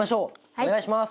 お願いします。